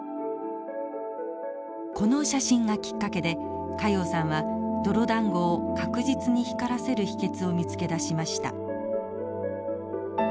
この写真がきっかけで加用さんは泥だんごを確実に光らせる秘けつを見つけ出しました。